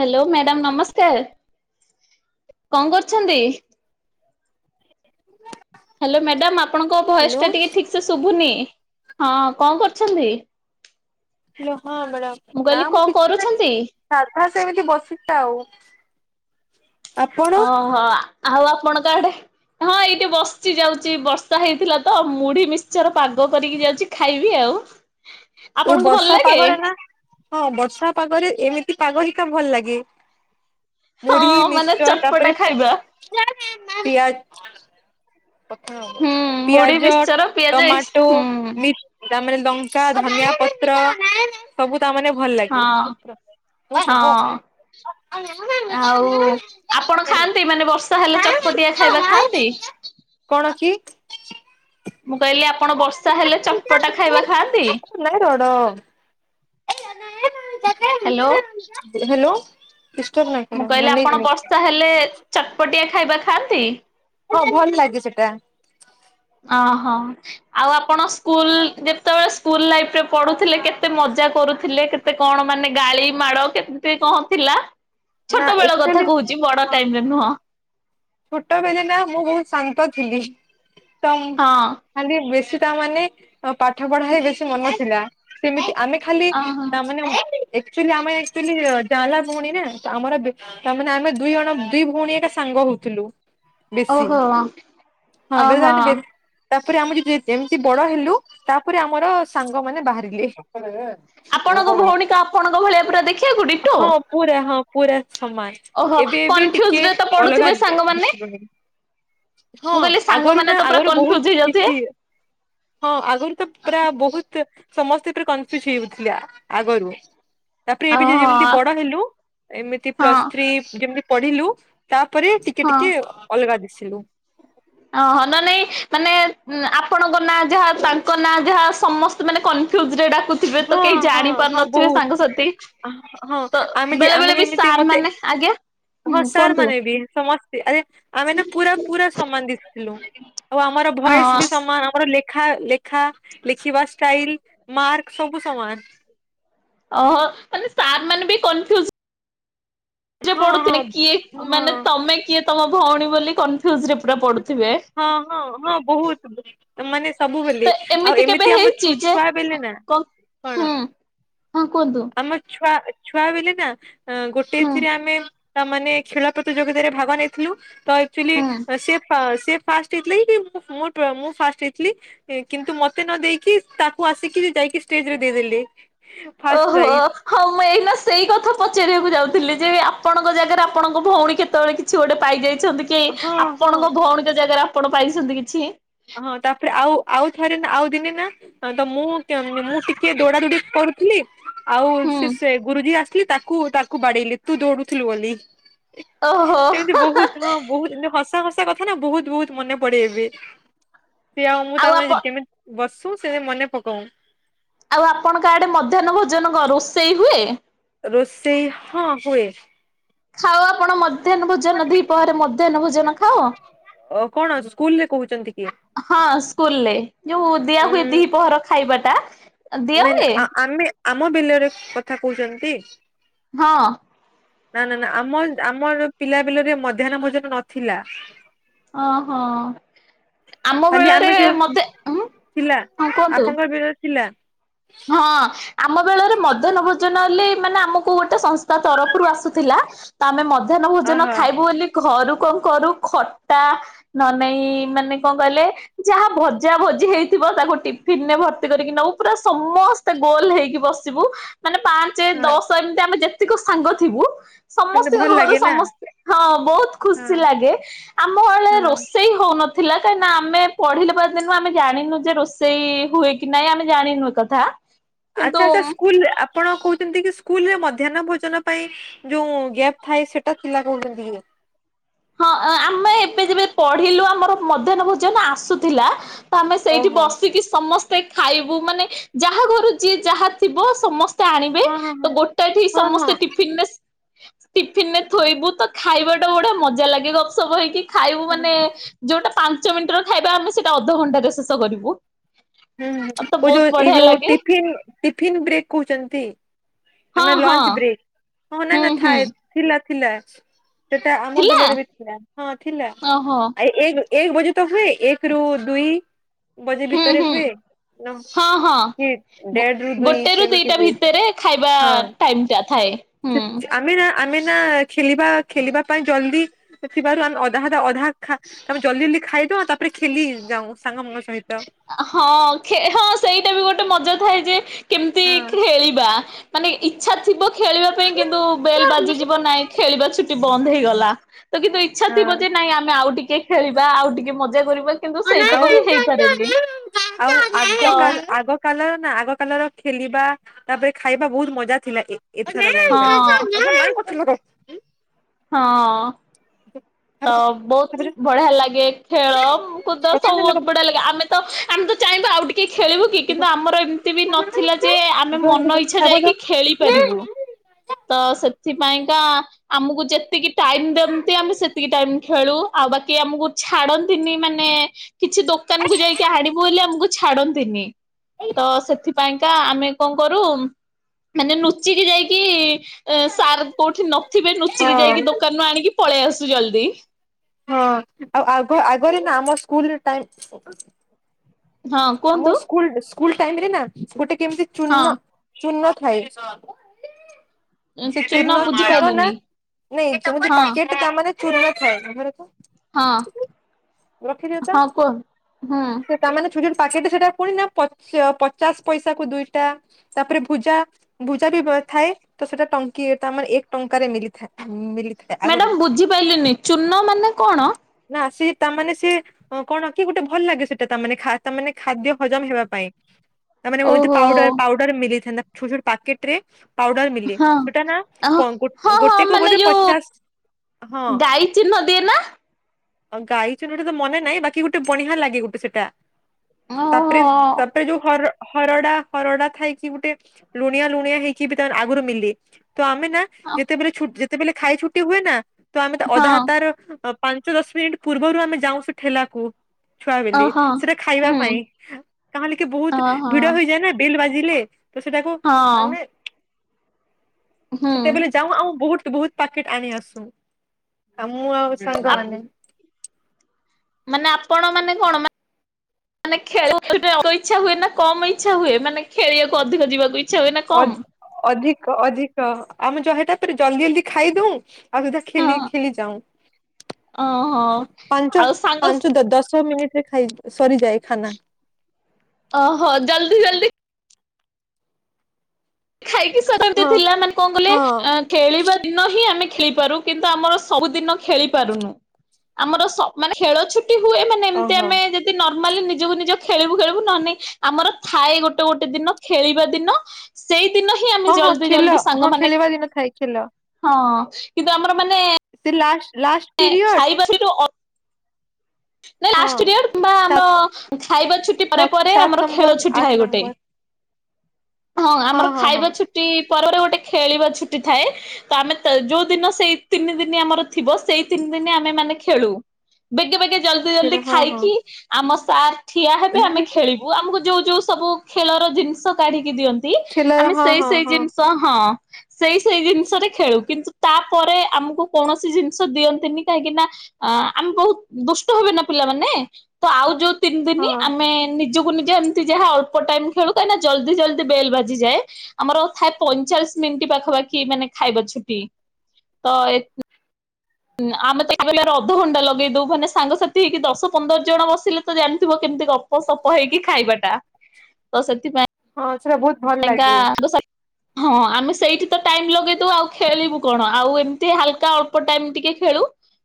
Hello madam ନମସ୍କାର କଣ କରୁଛନ୍ତି। ହ୍ୟାଲୋ ମ୍ୟାଡାାମ ଆପଣଙ୍କ ଭୟସ ହ୍ୟାଲୋ। ଟା ଟିକେ ଠିକ ସେ ଶୁଭୁନି ହଁ। କଣ କରୁଛନ୍ତି? ହ୍ୟାଲୋ ହଁ ମ୍ୟାଡ଼ାମ ନା କହିଲି ମୁଁ କଣ କିଛି ନାହିଁ କରୁଛନ୍ତି? ସାଧା ସେମିତି ବସି ଉ ଟାଉ ଓହୋ ଆଉ ଆପଣ କାଆଡେ ହଁ ଏଇଠି ବସିଚି ଯାଉଛି ବର୍ଷା ହେଇଥିଲା ତ ମୁଢି ମିଶଚର ପାଗ କରିକି ଯାଉଛି ଖାଇବି ଆଉ ଏଇ ଆପଣଙ୍କୁ ଭଲ ବର୍ଷା ଲାଗେ? ପାଗରେ ନା ହଁ ବର୍ଷା ପାଗରେ ଏମିତି- [unintelligible] ପାଗ ହିତ ଭଲ ଲାଗେ ହଁ ମୁଢି ମାନେ ମିଶଟର ଚଟପଟା ତାପରେ ଖାଇବା। ପିଆ [inaudible] ହୁଁ ମୁଢି ପିଆଜ ମିକ୍ସଚର ପିଆଜ ଟମାଟୋ ହୁଁ ମି ତାମାନେ ଲଙ୍କା ଧନିଆ ପତ୍ର ସବୁ ତା ମାନେ ଭଲ ଲାଗେ ହଁ ହଁ। ଆଉ ଆପଣ ଖାଆନ୍ତି ମାନେ ବର୍ଷା ହେଲେ ଚଟପଟିଆ ଖାଇବା ଖାଆନ୍ତି? କଣ କି? ମୁଁ କହିଲି ଆପଣ ବର୍ଷା ହେଲେ ଚଟପଟା ଖାଇବା ଖାଆନ୍ତି। ହ୍ୟାଲୋ। ହ୍ୟାଲୋ ଡିଷ୍ଟର୍ବ ନାଇଁ କର ମୁଁ କହିଲି ମ୍ୟାନେଜ ଆପଣ ନେଇକି ବର୍ଷା ହେଲେ। ଚଟପଟିଆ ଖାଇବା ଖାଆନ୍ତି। ହଁ ଭଲ ଲାଗେ ସେଟା। ଅହୋ ଆଉ ଆପଣ ସ୍କୁଲ ଯେତେବେଳେ ସ୍କୁଲ ଲାଇଫ ରେ ପଢୁଥିଲେ କେତେ ମଜା କରୁଥିଲେ କେତେ କଣ ମାନେ ଗାଳି ମାଡ କେତେ କଣ ଥିଲା ଛୋଟ ନା ବେଳ କଥା ଆକଚୋଲି କହୁଛି ବଡ ହଁ ଟାଇମରେ ନୁହଁ ଛୋଟ ବଲେ ନା ମୁଁ ବହୁତ ଶାନ୍ତ ଥିଲି, ତମ ହଁ ଖାଲି ବେଶୀ ତା ମାନେ ପାଠ ପଢା ହେ ବେଶୀ ମନ ଥିଲା ସେମିତି ଆମେ ଖାଲି ଓହୋ। ନା ମାନେ ଆକ୍ଚୁଆଲି ଆମେ ଏକଚୁଆଲି ଜାଆଁଲା ଭଉଣୀ ନା ଆମର ମାନେ ଆମେ ଦୁଇ ଜଣ ଦି ଭଉଣୀ ଏକ ସାଙ୍ଗ ହଉଥିଲୁ, ବେଶୀ ଓହୋ ହଁ ବେଳେ ଓହୋ, ତାମାନେ ବେ ତାପରେ ଆମେ ଯେମିତି ବଡ ହେଲୁ ତାପରେ ଆମର ସାଙ୍ଗ ମାନ ବାହାରିଲେ, ଆପଣଙ୍କ ଭଉଣୀ କ ଆପଣଙ୍କ ଭଳିଆ ପୁରା ଦେଖିବାକୁ ଡିଟୋ, ହଁ ପୁରା ହଁ ପୁରା ସମାନ ଓହୋ ଏବେ ଏବେ ଟିକେ କନଫ୍ୟୁଜରେ ତ ଅଲଗା ପଡୁଥିବେ ସାଙ୍ଗମାନେ? ଦିଶୁଗ ହଁ ମୁଁ କହିଲି ଆଗରୁ ସାଙ୍ଗମାନେ ନା ତ ପୁରା ଆଗରୁ କନଫ୍ୟୁଜ ବହୁତ ହେଇଯାଉଥିବେ କିଛି ହଁ ଆଗରୁ ତ ପୁରା ବହୁତ ସମସ୍ତେ ଏଥିରେ କନଫ୍ୟୁଜ ହେଇଯାଉଥିଲା ଆଗରୁ ତାପରେ ଏବେ ଯେମିତି ଆଉ ବଡ ହେଲୁ ଏମିତି ହଁ ପ୍ଲସ୍ ହଁ ଥ୍ରୀ ପଢିଲୁ ତା ପରେ ଟିକେ ଟିକେ ଅଲଗା ଦିଶୁ ଲୋ ଅହ ନ ନାଇଁ ମାନେ ଆପଣଙ୍କ ନାଁ ଯାହା ତାଙ୍କ ନାଁ ଯାହା ସମସ୍ତେ ମାନେ କନଫ୍ୟୁଜ ରେ ଡାକ ହଁ ହଁ ହଁ ବହୁତ ହଁମ ତ ବେଳେ ଆମେ ବେଳେ ବି ଯେମିତି ସାର୍ ମତେ ମାନେ ଆଜ୍ଞା ହଁ ହୁଁ ସାର୍ କୁହନ୍ତୁ ମାନେ ବି ସମସ୍ତେ ଆରେ ଆମେ ନା ପୁରା ପୁରା ସମାନ ଦିଶୁ। ହେଲୋ, ଆଉ ଆମର ଭଏସ ହଁ ବି ସମାନ ଆମ ଲୋଖା ଲେଖା ଲେଖିବା ଷ୍ଟାଇଲ ମାର୍କ ସବୁ ସମାନ। ଓହୋ ମାନେ ସାର୍ ମାନେ ବି କନଫ୍ୟୁଜ ବଜ ହଁ ହଁ। ପଡୁଥିଲେ କିଏ ହଁ ମାନେ ତମେ କିଏ ତମ ଭଉଣୀ ବୋଲି କନଫ୍ୟୁଜରେ ପୁରା ପଡୁ ହଁ ହଁ ହଁ ବହୁତ ମାନେ ସବୁବେଲେ ତ ଆଉ କେବେ ଏମିତି ଆମ ହେଇଛି ଯେ ଛୁଆ ବେଲେ ନା କଣ କଣ ହୁଁ ହଁ କୁହନ୍ତୁ ଆମ ଛୁଆ ଛୁଆ ବେଳେ ନା ଅ ଗୋଟେ ହୁଁ। ଏଥିରେ ଆମେ ତା ମାନେ ଖେଳ ପ୍ରତିଯୋଗିତାରେ ଭାଗ ନେଇଥିଲୁ। ତ ଏକଚୁଆଲି ହୁଁ। ସେ ପା ସେ ଫାଷ୍ଟ ହେଇଥିଲେ କି ମୁଁ ଫାଷ୍ଟ ହେଇଥିଲି କିନ୍ତୁ ମତେ ନ ଦେଇକି ତାକୁ ଆସିକି ଯାଇକି ଷ୍ଟେଜରେ ଦେଇଦେଲେ। ଓ ଫାଷ୍ଟ ପ୍ରାଇଜ ହଉ ମୁଁ ଏଇନା ସେଇ କଥା ପଚାରିବାକୁ ଯାଉଥିଲି। ଯେବେ ଆପଣଙ୍କ ଜାଗାରେ ଆପଣଙ୍କ ଭଉଣୀ କେତେବେଳେ କିଛି ଗୋଟେ ପାଇଯାଏ ଛନ୍ତି କି? ହଁ ହଁ ଆପଣଙ୍କ ଭଉଣୀ ଜାଗାର ଆପଣ ପାଇଛନ୍ତି କିଛି? ହଁ ତାପରେ ଆଉ ଆଉ ଥରେ ନା ଆଉ ଦିନେ ନା ତ ମୁଁ ମୁଁ ଟିକେ ଦୌଡ଼ା ଦୌଡି କରୁଥିଲି ଆଉ ହୁଁ। ସେ ସେ ଗୁରୁଜୀ ଆସ ଥିଲି ତାକୁ ତାକୁ ବାଡେଇଲି ତୁ ଦୌଡୁଥିଲୁ ବୋଲି। ଓହୋ। ତାଙ୍କ ସେ କଥା ନା ବହୁତ ବହୁତ ମନେ ପଡେ ଏବେ। ସେ ଆଉ ମୁଁ ତୁମେ କିମିତି ବସ ଖୁସିରେ ମନେ ପକଉ। ଆଉ ଆପଣଙ୍କ ଆଡେ ମଧ୍ୟାହ୍ନ ଭୋଜନ କଣ ରୋଷେଇ ହୁଏ? ରୋଷଇ ହଁ ହୁଏ। ଖାଅ ଆପଣ ମଧ୍ୟାହ୍ନ ଭୋଜନ ଦିପହରେ ମଧ୍ୟାହ୍ନ ଭୋଜନ ଖାଅ। ଅ କଣ ସ୍କୁଲ ରେ କହୁଛନ୍ତି କି? ହଁ ସ୍କୁଲରେ ଯୋଉ ଦିଆ ଉଁ ହୁଏ ଦି ପହର ଖାଇବା ତା ନାଇଁ ନାଇଁ ଆମେ ଆମ ବିଲରେ କଥା କହୁଛନ୍ତି? ହଁ ନା ନା ନା ଆମ ଆମର ପିଲା ବିଲରେ ମଧ୍ୟାହନ ଭୋଜନ ନଥିଲା ଓ ହଁ ଆମ ଖାଲି ବେଳରେ ଆମେ ଯୋଉ ମତେ ହୁଁ ହଁ କୁହନ୍ତୁ। ପିଲା। ହଁ। ଆମ ବେଳରେ ମଧ୍ୟାହ୍ନ ଭୋଜନ ହେଲେ ମାନେ ଆମକୁ ଗୋଟେ ସଂସ୍ଥା ତରଫରୁ ଆସୁଥିଲା ତ ଆମେ ମଧ୍ୟ ମଧ୍ୟାହ୍ନ ଭୋଜନ ଓହୋ ଖାଇବୁ ବୋଳି ଘରୁ କଣ କରୁ ଖଟା ନ ନେଇ ମାନେ କଣ କହିଲେ ଯାହା ଭଜା ଭଜି ହେଇଥିବ ତାକୁ ଟିଫିନରେ ଭର୍ତ୍ତି କରିକି ନଉ ପୁରା ସମସ୍ତେ ଗୋଲ ହେଇକି ବସିବୁ। ମାନେ ପାଞ୍ଚ ହଁ ଦଶ ଏମିତି ଆମେ ଯେତେ ଯେତିକି ସାଙ୍ଗ ଥିବୁ ସେମିତି ସମସ୍ତଙ୍କ ଭଲ ଘରୁ ଲାଗେ ନା ସମସ୍ତେ ହଁ ବହୁତ ଖୁସି ହଁ। ଲାଗେ ଆମ ବଳେ ହଁ ରୋଷେଇ ହଉନ ଥିଲା କାହିଁକି ନା ଆମେ ପଢ଼ିଲେ ପିଲାଦିନୁ ଆମେ ଜାଣିନୁ ଯେ ରୋଷେଇ ହୁଏ କି ନାଇଁ ଆମେ ଜାଣିନୁ କଥା କିନ୍ତୁ ଆଚ୍ଛା ଆଚ୍ଛା ସ୍କୁଲରେ ଆପଣ କହୁଛନ୍ତି କି ସ୍କୁଲରେ ମଧ୍ୟାହନ ଭୋଜନ ପାଇଁ ଯୋଉ ଗ୍ୟାପ୍ ଥାଏ ସେଟା ଥିଲା କହୁନାନ୍ତି କି [inaudible] ଏ ଯେବେ ପଢିଲୁ ଆମର ମଧ୍ୟାହ୍ନ ଭୋଜନ ଆସୁଥିଲା ତ ଆମେ ସେଇଠି ଓହୋ ବସିକି ସମସ୍ତେ। ଖାଇବୁ ମାନେ ଯାହା ଘରୁ ଯିଏ ଯାହା ଥିବ ସମସ୍ତେ ତ ଆଣିବେ ହଁ ହଁ ହଁ ତ ଗୋଟେ ଏଠି ହଁ ହଁ ସମସ୍ତେ ଟିଫିନରେ। ଟିଫିନ ରେ ଥୋଇବୁ ତ ଖାଇବାଟା ବଢଡଆ ମଜା ମଜା ଲାଗେ ଗପସପ ହେଇକି। ଖାଇବୁ ହଁ ହୁଁ ମାନେ ଯୋଉଟା ପାଞ୍ଚ ମିନିଟ ର ଖାଇବା ଆମେ ସେଇଟା ଅଧଘଣ୍ଟାରେ ଶେଷ କରିବୁ। ଆଉ ତ ହୁଁ ବହୁତ ଯୋଉ ଏ ବଢିଆ ଯୋଉଟି ଲାଗେ ଟିଫିନ ଟିଫିନ ବ୍ରେକ୍ କହୁଛନ୍ତି। ଆମେ ହଁ ହଁ ଲଞ୍ଚ ବ୍ରେକ୍। ହଁ ନାଇଁ ହୁଁ ନା ହୁଁ ଥାଏ ଥିଲା। ଥିଲା ସେଟା ଆମ ଥିଲା ବଲରେ ବି ଥିଲା ହଁ ଥିଲା ଓହୋ ଆ ଏ ଏକ ବଜେ ତ ହୁଏ ଏକ ରୁ ଦୁଇ ବଜେ ହୁଁ ଭିତରେ ହୁଁ ହୁଏ ନା ହଁ ହଁ। କି ଦେଢ଼ ରୁ ଦୁଇ ଗୋଟେ ରୁ ଦିଟା ସେମିତି ହୁଏ। ଭିତରେ ଖାଇବା ହଁ। ଟାଇମ ଟା ଥାଏ ହୁଁ ଆମେ ନା ଆମେ ନା ଖେଲିବା ଖେଲିବା ପାଇଁ ଜଲଦି ଥିବାରୁମେ ଅଧା ଅଧା ଅଧାମେ ଜଲଦି ଜଲଦି ଖାଇଦଉ ତାପରେ ଖେଲି ଯାଉ ସାଙ୍ଗମାନଙ୍କ ସହ ହଁ ହଁ ସେଇଟା ବି ଗୋ ଗୋଟେ ମଜା ଥାଏ ଯେ କେମିତି ଖେଳିବା। ମାନେ ଇଚ୍ଛା ଥିବ ଖେଳିବା ପାଇଁ କିନ୍ତୁ ବେଲ୍ ବାଜିଯିବ ନାଇଁ ଖେଳିବା ଛୁଟି ବନ୍ଦ ବନ୍ଦ ହେଇଗଲା। ତନ୍ତୁ ଇଚ୍ଛା ହଁ। ଥିବ ହଁ। ଯେ ନାଇଁ ଆମେ ଆଉ ଟିକେଳିବା ଆଉ ଟିକେ ମଜା କରିବା କିନ୍ତୁ ଆଉ ସେଇତକ ବି ହେଇ ଆଉ ଆଗ କାଲ ନା ଆଗ କାଲର ଖେଲ୍ ଖେଳିବା ତାପରେ ଖାଇବା ବହୁତ ମଜା ଥିଲା ଏ ହଁ [unintelligible] ହଁ [inaudible] ତ ବହୁତ ବଢିଆ ଲାଗେ। ଖେଳ କୁଦ ସବୁ ବହୁତ ବଢିଆ ଲାଗେ। ଆମେ ତ ଆମେ ତ ଚାହିଁବା ଆଉ ଟିକେ କି ଖେଳିବୁ କି କିନ୍ତୁ ଆମର ଏମିତି ବି ନଥିଲା ଯେ ଆମେ ମନ ଇଚ୍ଛା ଯାଇକି ଖେଳି ପାରିବୁ। ତ ସେଥିପାଇଁ ଆମୁକୁ। ଯେତିକି ଟାଇମ୍ ଦ୍ୟନ୍ତି ଆମେ ସେତିକି ଟାଇମ୍ ଖେଳୁ, ବଆଉ ବାକି ଆମକୁ ଛାଡନ୍ତିନି ମାନେ କିଛି ଦୋକାନ କୁ ଯାଇକି ଆଡିବୁ ବୋଲି ଆମକୁ ଛାଡନ୍ତିନି, [inaudible] ତ ସେଥିପାଇଁ ଆମେ କଣ କରୁ ମାନେ ଲୁଚିକି ଯାଇକି ସାର୍ କୋଉଠି ନଥିବେ, ନୁ ଲୁଚିକି ହଁ ଯାଇକି ଦୋକାନରୁ ଆଣିକି ପଳେଇ ଆସୁ ଜଲଦି ହଁ ଆଉଗ ଆଗରେ ନା ଆମ ସ୍କୁଲଟା [inaudible] ହଁ ଆମ କୁହନ୍ତୁ। ସ୍କୁଲ ସ୍କୁଲ ଟାଇମ୍ ରେ ନା ଗୋଟେ କେମିତି ଚୁନ ହଁ ଚୁନ ଖାଇ [inaudible] ସେ ଚୂନ ଚୂନ ନା ନାଇଁ ତମେ ଯୋଉ ହଁ ପାକେଟ ତାମାନେ ପୁରୁଣା ଖାଏ, ଆମର ତ ହଁ ରଖିଦିଅ [inaudible] ତ ହଁ କୁହ [inaudible] ହୁଁ। [unintelligible] ପାକେଟ ସେଟା ପୁଣି ନା ପଚାଶ ପଇସା କୁ ଦୁଇଟା ତାପରେ ଭୁଜା ଭୁଜା ବି ଥାଏ, ତ ସେଟା ଟଙ୍କିଏ ଏକ ଟଙ୍କାରେ ମିଳିଥାଏ। ମ୍ୟାଡାମ ବୁଝିପାରିଲିନି ଚୁନ ମାନେ କଣ? ତା ମାନେ ସିଏ କଣ କି ଗୋଟେ ଭଲ ଲାଗେ। ସେଟା ତା ମାନେ ଖା ତା ମାନେ ଖାଦ୍ୟ ହଜମ ହେବା ପାଇଁ। ତା ମାନେ ହୋଉତି ଓହୋ ପାଉଡର ପାଉଡର ମିଳିଥାନ୍ତା। ଛୁଛୁର ପ୍ୟାକେଟ ରେ। ପାଉଡର ମିଲେ। ହଁ। ସେଟା ନା ଓହୋ ହଁ ହଁ ଗୋଟେ କୁ ମାନେ ବୋଧେ ଯୋଉ ପଚାଶ ହଁ। ଗାଈ ଚିହ୍ନ ଦିଏ ନା ଆଉ ଗାଇଚି ହ୍ନଟା ତ ମନେ ନାହିଁ। ବାକି ଗୋଟେ ବଢିଆ ଲାଗେ ଗୋଟେ ସେଟା। ଓହୋ। ତାପରେ ତାପରେ ଯୋଉ ହର ହରଡା ହରଡା ଥାଇକି ଗୋଟେ ଲୁଣିଆ ଲୁଣିଆ ହେଇକି ବି ତା ଆଗରୁ ମିଲେ। ତ ଆମେ ନା ଯେତେବେଳେ ଛୁଟ୍ ସେତବେଲେ ଖାଇ ଛୁଟି ହୁଏ ନା। ତ ଆମେ ତ ହଁ ଅଧା ହାତାର ପାଞ୍ଚ ଦଶ ମିନିଟ୍ ପୂର୍ବରୁ ଆମେ ଯାଉଛୁ ଠେଲାକୁ। ଛୁଆ ବିଲି ଓହୋ ସେଟା ପାଇବା ହୁଁ ପାଇଁ କାଲେ କି ବହୁତ ଓହୋ ଭିଡ ହେଇଯାଏ ନା ବେଲ ବାଜିଲେ। ତ ସେଟାକୁ ହଁ ଆମେ ହୁଁ। ସେତେବେଳେ ଯାଉ ଆଉ ବହୁତ ତୁ ବହୁତ ପାକେଟ ଆଣି ଆସୁ ଆ ମୁଁ ଆଉ ସାଙ୍ଗମାନେ। ମାନେ ଆପଣ ମାନେ କଣ ମେ ମାନେ ଖେଳ ଖେଳିବା ପାଇଁ ଅଳ୍ପ ଇଚ୍ଛା ହୁଏ ନା କମ ଇଚ୍ଛା ହୁଏ ମାନେ ଖେଳିବାକୁ ଅଧିକ ଯିବାକୁ ଇଚ୍ଛା ହୁଏ ନା ଅ କମ ଅଧିକ ଅଧିକ ଆମେ ଜହେଟା ପୁର ଜଲଦି ଜଲଦି ଖାଇଦଉ ଆଉ ସୁଧା ଖେଳି ହଁ ଖେଳି ଯାଉ, ଓହୋ ପାଞ୍ଚ ଆଉ ସାଙ୍ଗ ପାଞ୍ଚ ଦଶ ମିନିଟ ଖାଇ ସରି ଯାଏ ଖାନା ଓହୋ ଜଲଦି ଜଲଦି ଖାଇକି ସେତେବେଳେ ହଁ ଥିଲା ମାନେ କଣ କଲେ ହଁ ଖେଳିବା ଦିନ ହିଁ ଆମେ ଖେଳିପାରୁ କିନ୍ତୁ ଆମର ସବୁଦିନ ଖେଳି ପାରୁନୁ, ଆମର ମାନେ ଖେଳ ଛୁ ଟି ହୁଏ ମାନେ ଏମିତି ଓହୋ ଆମେ ଯଦି ନର୍ମାଲି ନିଜକୁ ନିଜ ଖେଳିବୁ ଖେଳିବୁ ନ ନାଇଁ ଆମର ଥାଏ ଗୋଟେ ଗୋଟେ ଦିନ ଖେଳିବା ଦିନ। ସେଇତ ଦିନ ହିଁ ଆମେ ହଁ ହଁ ଜଲଦି ଖେଲ ଜଲଦି ହଁ ସାଙ୍ଗମାନେ ଖେଳିବା ଦିନ ଥାଏ ଖେଲ। ହଁ କିନ୍ତୁ ଆମର ମାନେ ସେ ଲାଷ୍ଟ ଲାଷ୍ଟ ପିରିୟଡ ଖାଇବା ସେଠୁ ଅ ନା ହଁ। ଲାଷ୍ଟ ପିରିୟଡ଼ କିମ୍ବା ଆମ ସାତ ଖାଇବା ଛୁଟି ପରେ ସାତ ପରେ ସାତ ଆମର ଖେଳ ନମ୍ବର ଛୁଟି ଆଠ ଥାଏ ଗୋଟେ ନମ୍ବର । ହଁ ଆମର ହଁ ହଁ ଖାଇବା ଛୁଟି ପରେ ଗୋଟେ ଗୋଟେ ଖେଳିବା ଛୁଟି ଥାଏ ତ ଆମେ ଯୋଉ ଦିନ ସେଇ ତିନି ଦିନ ଆମର ଥିବ ସେଇ ତିନି ଦିନ ଆମେ ମାନେ ଖେଳୁ ବେଗେ ବେଗେ ଜଲଦି ଖେଳ ଜଲଦି ହଁ ହଁ। ଖାଇକି ଆମ ଚାର ଠିଆ ହେବେ ଆମେ ଖେଳିବୁ ଆମକୁ ଯୋଉ ଯୋଉ ସବୁ ଖେଳର ଜିନିଷ କାଢିକି ଦିଅନ୍ତି ନ୍ତି ଖେଲର ଆମେ ହଁ ସେଇ ହଁ ସେଇ ହଁ ଜିନିଷ ହଁ ସେଇ ସେଇ ଜିନିଷରେ ଖେଳୁ କିନ୍ତୁ ତାପରେ ଆମକୁ କୌଣସି ଜିନ ନିଷ ଦିଅନ୍ତିନି କାହିଁକି ନା ଆମେ ବହୁତ ଦୁଷ୍ଟ ହବେ ନା ପିଲାମାନେ ତ ଆଉ ଯୋଉ ତିନି ଦିନ ହଁ ଆମେ ନିଜ ନିଜକୁ ନିଜେ ଏମିତି ଯାହା ଅଳ୍ପ ଟାଇମ ଖେଳୁ କାହିଁକିନା ଜଲଦି ଜଲଦି ବେଲ ବାଜିଯାଏ ଆମର ଥାଏ ପଇଁଚାଳିଶ ମିନିଟ ପାଖାପାଖି ମାନେ ଖାଇବା ଛୁଟି ତ ଆମେ ତବେ ଅଧଘଣ୍ଟା ଲଗେଇ ଦଉ ମାନେ ସାଙ୍ଗସାଥି ହେଇକି ଦଶ ପନ୍ଦର ଜଣ ବସିଲେ ତ ଜାଣିଥିବ କେମିତି ଗପ ସପ ହେଇକି ଖାଇବାଟା । ତ ସେଥିପାଇଁ ହଁ ସେଟା ବହୁତ ଭଲ ଲାଗେ। ହଁ ଆମେ ସେଇଠି ତ ଟାଇମ ଲଗେଇଦବୁ ଆଉ ଖେଳିବୁ କଣ ଆଉ ଏମିତି ହାଲକା ଅଳ୍ପ ଟାଇମ ଟିକେ ଖେଳୁ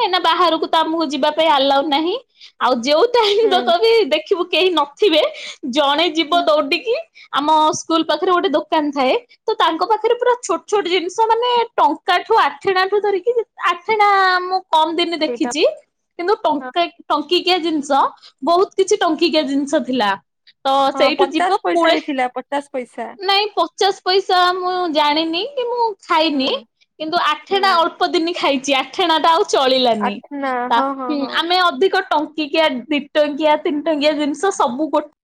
କହିଁନା ବାହାରକୁ ତ ଆମକୁ ଯିବା ପାଇଁ ଆଲାଉ ନାହିଁ । ଆଉ ଯୋଉ ତାହାଲେ ହୁଁ ତଥାବି ଦେଖିବୁ କେହି ନଥିବେ ଜଣେ ଯିବ ଦୌଡିକି ଆମ ସ୍କୁଲ ପାଖରେ ଗୋଟେ ଦୋକାନ ଥାଏ ତ ତାଙ୍କ ପାଖରେ ପୁରା ଛୋଟ ଛୋଟ ଜିନିଷ ମାନେ ଟଙ୍କାଠୁ ଆଠଣାଠୁ ଧରିକି ଆଠଣା ମୁଁ କମ ଦିନ ସେଇଟା। ଦେଖିଛି କିନ୍ତୁ ହଁ ଟଙ୍କା ଏ ଟଙ୍କା ଟଙ୍କିକିଆ ଜିନିଷ ବହୁତ କିଛି ଟଙ୍କିକିଆ ଜିନିଷ ଥିଲା । ତ ହଁ ସେଇଠୁ ପଚାଶ ଯିବ ପଇସା ପୁଳେ ବି ଥିଲା ପଚାଶ ପଇସା ନାଇଁ ପଚାଶ ପଇସା ମୁଁ ଜାଣିନି କି ମୁଁ ହୁଁ। ଖାଇନି କିନ୍ତୁ ଆଠେ ହୁଁ ତା ଅଳ୍ପ ଦିନ ଖାଇଛି ଆଠଣା ଟା ଆଉ ଚଳିଲାନି। ଆଠନା ତା ହଁ ହଁ ହଁ ଆମେ ଅଧିକ ଟଙ୍କା ଟଙ୍କିକିଆ ଦି ଟଙ୍କିଆ ତିନି ଟଙ୍କିଆ ଜିନିଷ ସବୁ ଗୋଟେ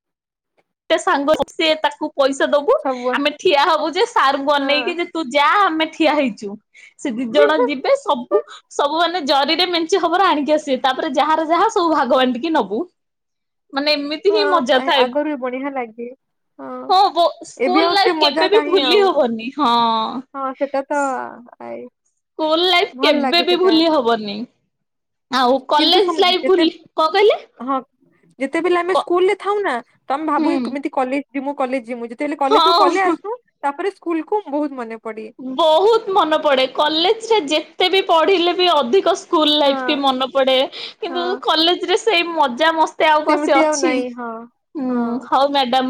ସାଙ୍ଗ ସେ ତାକୁ ପଇସା ଦବୁ ସବୁ ଆମେ ଠିଆ ହବୁ ଯେ ସାର୍ ଅନେଇକି ଯେ ତୁ ଯା ଆମେ ଠିଆ ହେଇଛୁ । ସେ ଦି ଜଣ ହଁ। ଯିବେ ସବୁ ସବୁ ମା ମାନେ ଜରିରେ ମେଞ୍ଚେ ଖବର ଆଣିକି ଆସିବେ ତାପରେ ଯାହାର ଯାହା ସବୁ ଭାଗବାଣ୍ଟି କି ନବୁ । ମାନେ ଏମିତି ହିଁ ହଁ ମଜା ଆ- ଥାଏ। ଆଗରୁ ବି ଲାଗେ ହଁ ବୋ ଏବେ ସ୍କୁଲ ଆଉ ସେ ଲାଇଫ ମଜା କେବେ ବି କାହିଁ ଭୁଲି ଆଉ ହବନି ହଁ। । ହଁ ସେଟା ତ ଆ ସ୍କୁଲ ଲାଇଫ କେବେ ବି ଭୁଲି ହବନି। ଆଉ କିନ୍ତୁ କଲେଜ ସମ- ଲାଇଫ ଯେତେ ଭୁଲି କଣ କହିଲେ ହଁ ଯେତେବେଳେ ଆମେ କ ସ୍କୁଲରେ ଥାଉ ନା ତମେ ଭାବୁ ହୁଁ କେମିତି କଲେଜ ମୁଁ କଲେଜ ମୁଁ ଯେତେବେଳେ କଲେଜକୁ ପଳେଇ ହଁ। ଆସିଲୁ ତାପରେ କୁଲକୁମ ବହୁତ ମନେ ପଡେ ବହୁତ ମନେ ପଡେ କଲେଜରେ ଯେ ତେ ବି ପଢିଲେ ବି ଅଧିକ ସ୍କୁଲ ହଁ ଲାଇଫ କି ମନେ ପଡେ କିନ୍ତୁ ହଁ କଲେଜରେ ସେଇ ମଜା ମସ୍ ସେ ଆଉ କଣ ସେ ସେମିତି ଆଉ ଅଛି, ନାଇଁ ହଁ ହଁ ହଉ ମ୍ୟାଡାମ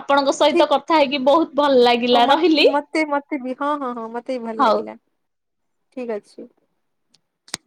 ଆପଣଙ୍କ ସହିତ ଠିକ କଥା ହେଇକି ବହୁତ ଭଲ ହଁ ଲାଗିଲା, ମତ- ରହିଲି। ମତେ ମତେ ବି ହଁ ହଁ ହଁ ମତେ ବି ଭଲ ହଉ। ଲାଗିଲା। [inaudible] ଠିକ ଅଛି।